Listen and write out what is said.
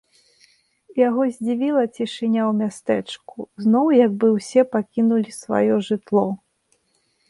Яго здзівіла цішыня ў мястэчку, зноў як бы ўсе пакінулі сваё жытло.